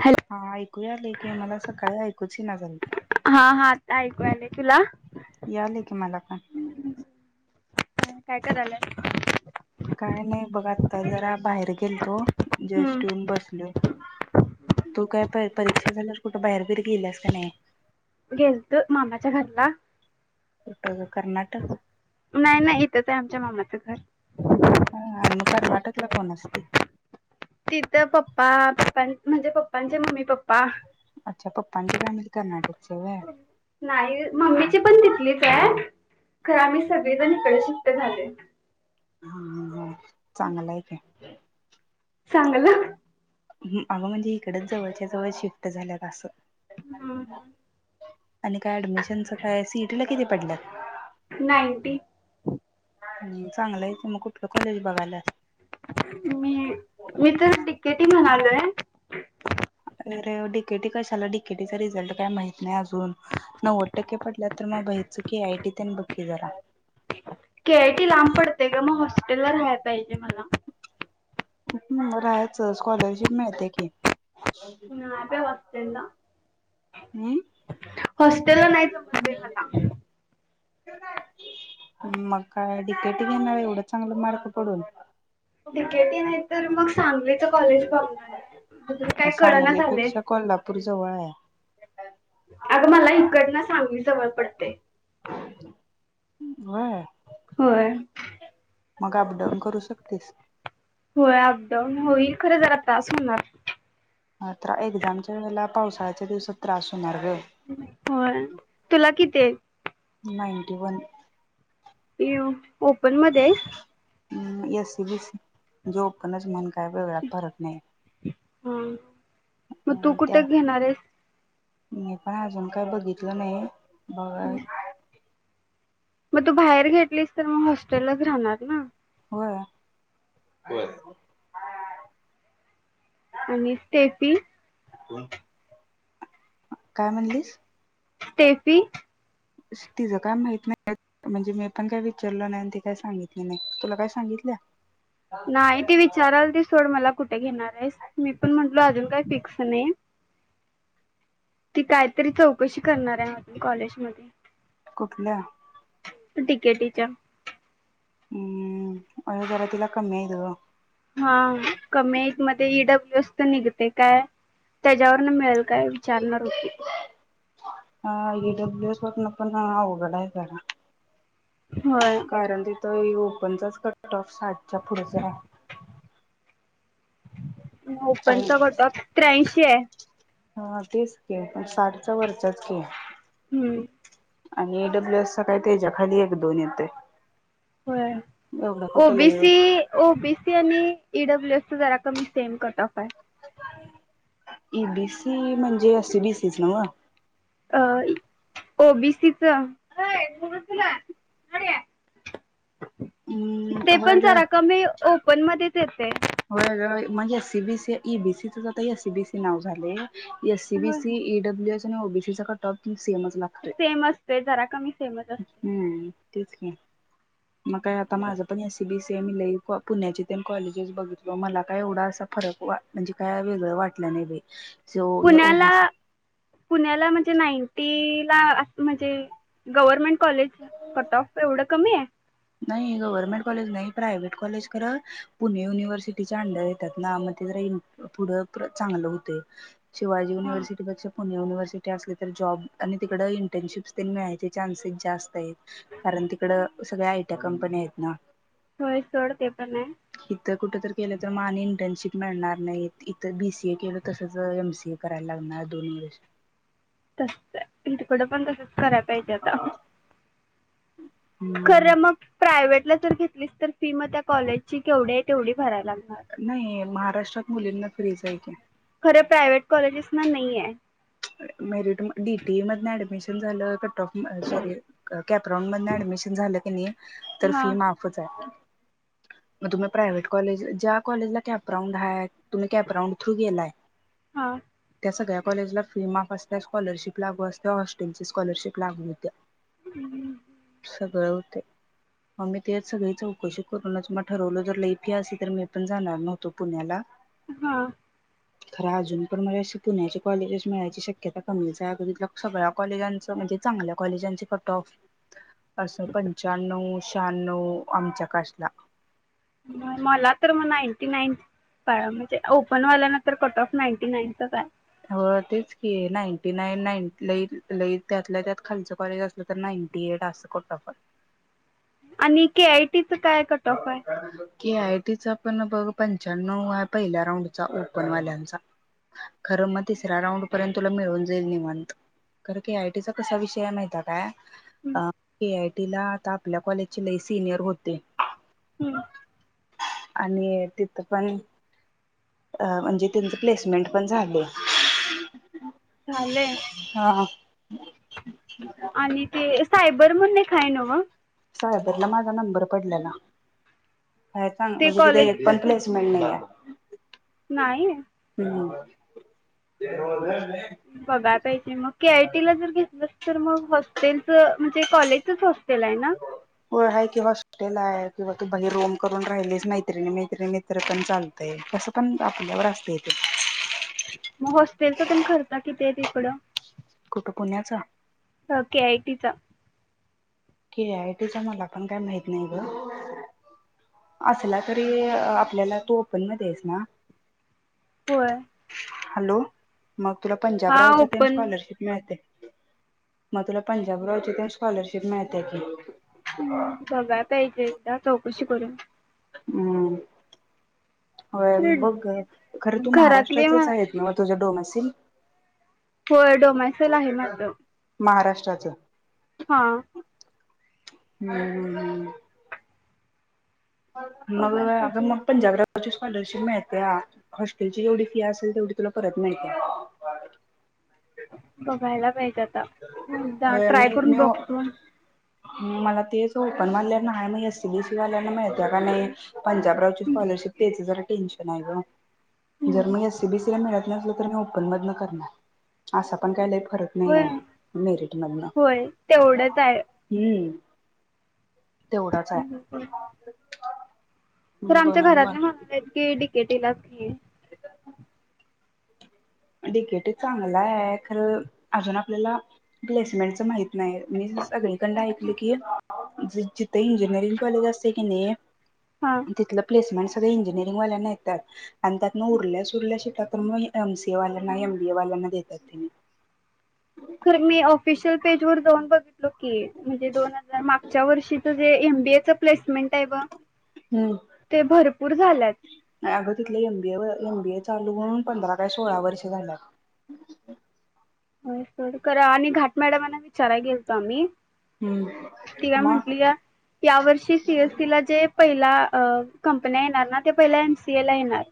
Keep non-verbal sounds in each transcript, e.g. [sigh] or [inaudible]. Hello हा ऐकू याल की, मला सकाळी ऐकू. [unintelligible] हा हा, आता ऐकू आले तुला. यालय की मला पण काय काय करालाय. काय नाही बघ आता जरा बाहेर गेलतो हम्म जस्ट येऊन बसलोय. तू काय प परीक्षा झाल्यावर कुठं बाहेर बीर गेल्यास का नाही? गेलतं मामाच्या घरला. कुठं कर्नाटक, नाई नाई इतच आय आमच्या मामाचं घर. हा, आणि मग कर्नाटकला कोण असतंय? तिथं पप्पा, पप्पां म्हणजे पप्पांचे मम्मी पप्पा अच्छा पप्पांची फॅमिली कर्नाटकची आहे व्हय नाही, मम्मीची पण तिथलीच हाय खरं आम्ही सगळेजण इकडे शिफ्ट झालोय. हा, हा, हा चांगला हाय की. चांगलं हं अगं म्हणजे इकडच जवळच्या जवळ शिफ्ट झाल्यात असं. आणि काय ऍडमिशनच काय सीटला किती पडल्यात नाईंटी हम्म, चांगलं हाय. की मग कुठलं कॉलेज बघाल्यास? मी, मी तर डिकेटी म्हणालोय अरं डीकेटी कशाला डीकेटीचा रिझल्ट काय माहित नाही अजून. नव्वद टक्के पडल्यात तर, मग भायचं केआयटी तेन बघ की जरा. केआयटी लांब पडतंय गं मग हॉस्टेलला राहायं पाहिजे मला. अं अं मग राहायचं, स्कॉलरशिप मिळत्या की हं [unintelligible] ना अं? हॉस्टेलला नाही जमत बाई मला. मग काय डिकेटी घेणार हाय एवढं चांगलं मार्क पडून? डिकेटी नाही तर, मग सांगलीच कॉलेज बघणार आहे, अजुन काय कळना झालय. पूर जवळ हाय. अगं मला हिकडनं सांगली जवळ पडतंय. होय? होय. मग अपडाऊन करू शकतेस होय अपडाऊन होईल, खरं जरा त्रास होणार. हां तर एक्झामच्या वेळेला पावसाळ्याच्या दिवसात त्रास होणार गं. होय, तुला किती हाईत? Ninety one. इ उ ओपनमध्ये हाइस? अं एससीबीसी जॉब करण्याचं म्हण काय वेगळा करत नाही. हं. मग तू त्या कुठं घेणार हाइस? मी पण आजून काय बघितलं नाही. बघाय मग तू बाहेर घेतलीस तर, मग हॉस्टेलच राहणार ना? व्हय. आणि स्टेपी काय म्हणलीस? तेफी तिझं काय माहित नाही म्हणजे मी पण काय विचारलं नाही आणि ती काय सांगितली नाही. तुला काय सांगितल्या? नाही ती विचारालती ती सोड मला कुठे घेणार आहेस? मी पण म्हटलो अजून काही फिक्स नाही. ती काय तर चौकशी करणार हाय? म्हण कॉलेज मध्ये कुठल्या? टिकेटीच्या हम्म अगं जरा तिला कमी आहेत ग. हा कमी मध्ये ईडब्ल्यू एस तर निघते काय? त्या त्यावरनं मिळेल काय विचारणार होती? हा ईडब्ल्यूएस वरनं पण अवघड हाय जरा होय तर ओपनचाच कटऑफ साठच्या पुढचा आहे. ओपनचा कटऑफ त्र्यांशी आहे. हा तेच की पण साठचा वरचाच की हम्म आणि एडब्ल्यूएस काय तेच्या खाली एक दोन येतेय. व्हय ओबीसी ओबीसी आणि इड जरा कमी सेम कटऑफ हाय. [unintelligible] ईबीसी सी म्हणजे [unintelligible] बीसीच नव्हं ओबीसीचं [unintelligible] ते अम्म होय पण ग. जरा कमी ओपन मध्येच येतय होय ग, म्हणजे सीबीसी ईबीसीच आता एससीबीसी नाव झालयं. S C B C इईडब्ल्यू S [unintelligible] OBC चां कठऑफ सेम असते जरा कमी सेमच असते हम्म तेच की मग काय? आता माझं पण एसी बीसी ते मी लय पुण्याचे कॉलेजेस बघितल मला काय? एवढा असा फरक म्हणजे काय? वेगळं वाटलं नाही बाई सो या पुण्याला ओबीसी पुण्याला म्हणजे नाईंटी म्हणजे गव्हर्नमेंट कॉलेज कट ऑफ एवढं कमी आहे. नाही गव्हर्मेंट कॉलेज नाही प्रायव्हेट कॉलेज खरं पुणे युनिव्हर्सिटीच्या अंडर येतात. ना मग ते जरा पुढं चांगलं होतय. शिवाजी युनिव्हर्सिटी पेक्षा पुणे युनिव्हर्सिटी असली तर जॉब आणि तिकडं इंटर्नशिप्स [unintelligible] मिळायचे चान्सेस जास्त आहेत कारण तिकडं सगळ्या आईत. त्या कंपनी आहेत ना. होय सोड ते पण आहे. इथ कुठ तर केलं तर मग आणि इंटर्नशिप मिळणार नाही इथ बी सी ए केलं तसच एम सी. ए करायला लागणार दोन वर्ष [inaudible] पण तिकडे पण तसच करायला पाहिजे आता. हम्म खरं मग प्रायवेट जर घेतली तर फी मग त्या कॉलेजची केवढी आहे तेवढी भरायला लागणार. नाही महाराष्ट्रात मुलींना फ्रीच हाय. [unintelligible] प्रायवेट कॉलेजेसना नाई ये. मेरी [unintelligible] मी डि टी ई मधन ॲडमिशन झालं [unintelligible] सॉरी कॅपरांन मधन ऍडमिशन झालं की नाइ तर हा फी माफ होत ये. म तुला प्रायव्हेट कॉलेजला ज्या कॉलेजला कॅप्राउंड हाय. तुम्ही कॅपराऊंड थ्रू गेलाय हा त्या सगळ्या कॉलेजला माफ असल्यास स्कॉलरशिप लागू असत हॉस्टेलची स्कॉलरशिप लागू होत्या. हम्म [unintelligible] [unintelligible] म मी तेच सगळी चौकशी करूनच म ठरवलं जर लई फी असली तर मी पण जाणार नव्हतो पुण्याला. हा. खरं अजून पण मला पुण्याचे कॉलेजेस मिळायची शक्यता कमीच हाय सगळ्या कॉलेजांच म्हणजे चांगल्या कॉलेजांचे कट ऑफ [unintelligible] पंच्याण्णउ शहानऊ आमच्या काशटा मला तर मग नाईंटी नाईन म्हणजे ओपन वाल्याना तर कट ऑफ नाईंटी नाईनचाच आहे. हो तेच की नाईंटी नाईन नाई लई लई त्यातल्या त्यात खालच कॉलेज असलं तर नाईंटी एट असं कट ऑफ ये. आणि K I T [unintelligible] K I टीचा पण बघ पंच्याण्णव आहे पहिल्या राऊंडचा ओपन वाल्यांचा खरं मग तिसऱ्या राऊंड पर्यंत तुला मिळून जाईल निवांत खरं के आय टी चा कसा विषय माहिये का हम्म अ के आय टीला आता आपल्या कॉलेजचे लई सिनियर होते. हम्म. आणि तिथं पण अ म्हणजे त्यांचं प्लेसमेंट पण झाले. झाले. हा [unintelligible] आणि ते सायबर म्हणून एक हाय नव. सायबरला माझा नंबर पडलेला. काय सांग ते म्हणजे तिथे कॉलेज एक पण कसं प्लेसमेंट नइआय. नाही. हो. बघाय पाहिजे मग के आयटी ला जर घेतलं तर. तर मग होस्टेल म्हणजे कॉलेज हॉटेल्स आहे ना? होय आहे की हॉस्टेल किंवा तू बाहेर रूम करून राहिलीस मैत्रीण मैत्रीणी. तरी पण चालतंय कसं पण आपल्यावर असते ते. मग हॉटेल्सचा खर्चो किती आहे तिकडं? कुठं पुण्याचा अ केआटीचा. केआयटीचा मला पण काही माहित नाही गं. असला तरी आपल्याला तू ओपन मध्ये आहेस ना? होय. हॅलो. मग तुला पंजाब हा रावाचं ते ओपन स्कॉलरशिप मिळतयं. मग तुला पंजाब रावची ती स्कॉलरशिप मिळतयं की. बघाय पाहिजे. चौकशी करून हम. होय. बघ खरं तू घरातले महाराष्ट्राचेच म्ह आहेत नव्हं तुझ्या डोमेस्टिक. [unintelligible] होय. डोमॅसेल आहे माझं. [unintelligible] हा. हंम हं हं. मग बघायला अ पाहिजे मग पंजाबगरा [unintelligible] स्कॉलरशिप मिळत्या. हॉस्टेल ची जेवढी फी असेल तेवढी तुला परत मिळत्या. बघायला च पाहिजे आता. एकदा होय ट्राय मी करून मी बघतो. मला तेच ओपन वाल्याना आहे मग एस बीसी वाल्याला मिळत्या का नाही. पंजाब रावची स्कॉलरशिप नेच जरा टेन्शन हाय गं. हम्म जर्मनी एस बीसी मिळत नसल तर मी ओपन मधन करणार असा पण लय फरक - - नाही होय आहे मिरीट मधनं होय तेवढंच आहे. हम्म. तेवढाच आहे. तर आमच्या बनून मग घरातले म्हणालेत की डिकेटीला. हे. [unintelligible] डिकेटी चांगला आहे खरं अजून आपल्याला प्लेसमेंटच माहित नाही मी सगळीकंड ऐकलं की जिथे इंजिनिअरिंग कॉलेज असते की नाही. हा तिथलं प्लेसमेंट. इंजीनियरिंग वाल्यांना येतात आणि उरल्या सुरल्या शीटा तर ए म सी. हे वाल्याना एम बी ए वाल्याना देेतात त्यानीं. खरं मी ऑफिशियल पेज वर जाऊन बघितलो. म्हणजे, दोन हजार मागच्या वर्षिच जे एम बी य च. प्लेस. प्लेसमेट हम्म ते भरपूर झालेत. एम बी ए चालू होऊन पंधरा काय सोळा वर्ष झालं. होय सोड आणि घाट मॅडमांना विचाराय गेलतो आम्ही. ति हम्म काय मग म्हटली या वर्षी सी एस सी ला जे. पहिला कंपन्या येणार ना ते पहिला एम सी ए ला येणार.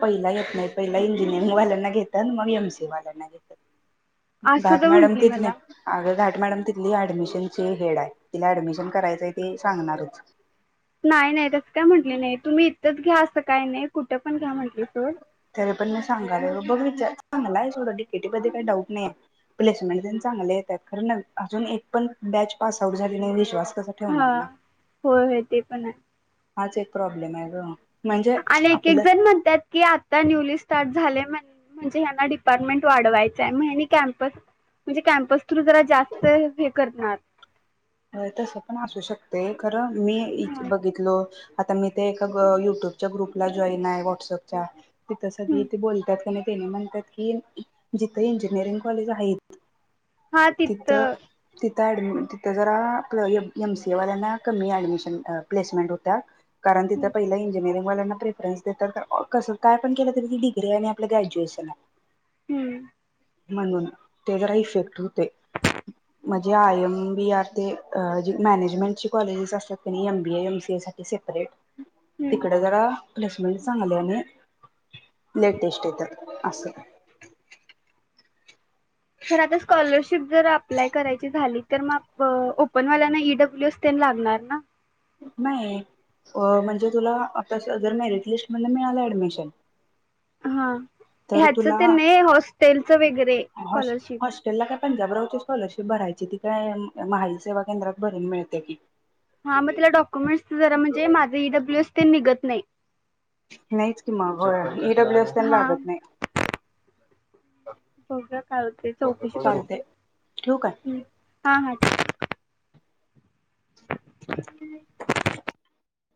पहिला येत नाही पहिला इंजिनिअरिंग वाल्यांना घेतात मग एम सी ए वाल्यांना घेतात. असं घाट तर मॅडम म्हंटली तिथल्या मला आगं घाट मॅडम तिथली ऍडमिशन चे हेड आहे तिला ऍडमिशन करायचंय ते सांगणारच. नाही नाही तसं काय म्हटले नाही तुम्ही इथंच घ्या. असं काय नाही कुठं पण घ्या म्हटलं सोड. तरी पण मी सागायलो मग विचार चांगला आहे. सोड डिकेटीमध्ये काही डाऊट नाही प्लेसमेंट चांगलं येत्यात खरं न अजून एक पण बॅच पास आऊट झाली नाही विश्वास कसा हा ठेवणार ना होय ते पण आहे. हाच एक प्रॉब्लेम आहे ग. म्हणजे आणि एक एक आपलं जण म्हणतात की आता न्यूली स्टार्ट झाले म्हणजे? म्हणजे यांना डिपार्टमेंट वाढवायचा म यांनी कॅम्पस म्हणजे कॅम्पस थ्रू जास्त हे करणार. होय तसं पण असू शकतोय खरं. मी इथं हा बघितलो. आता मी ते एका युट्यूबच्या ग्रुपला जॉईन आहे. व्हॉटसअपच्या. तिथ हम्म. सगळी तेे बोलतात कि नी. तेनी म्हणतात की जिथे इंजिनिअरिंग कॉलेज आहेत. हा तिथं. ऍड तिथं जरा एम सी ए वाल्यांना कमी ऍडमिशन अ प्लेसमेंट होत्यात. कारण तिथं पहिला इंजिनिअरिंग. मुलांना प्रेफरन्स देतात कस काय पण केलं तरी डिग्री आणि आपल्या ग्रॅज्युएशन आहे. हम्म. म्हणून, ते जरा इफेक्ट होतो. म्हणजे आय एम बी आर ते मॅनेजमेंटची कॉलेज असतात का नाही M B A, M C A separate तिकडं जरा. प्लेसमेंट चांगली आणि लेटेस्ट येतात असं. तर आता स्कॉलरशिप जर अप्लाय करायची झाली. तर मग ओपन वाल्यांना ईडब्ल्यू एस तेन लागणार ना. नाही, म्हणजे तुला जर मेरिट लिस्ट मधून मिळालं ऍडमिशन. हा. तर ह्याच तुला तेन नाही हॉस्टेलच वगैरे हॉस् स्कॉलरशिप. हॉस्टेलला काय पंजाबरावची स्कॉलरशिप भरायची ती काय महा ई सेवा केंद्रात भरून मिळत्या की. हां मग तिला डॉक्युमेंट्स जरा म्हणजे माझ ईडब्ल्यएस तेन निघत नई. नाहीच कि मग होय ईडब्ल्यूएस तेन लागत नाही. बघुया काय होतय चौकशी चालतय करतो, ठेवू काय? हम्म हा हा ठेव. [inaudible] [inaudible]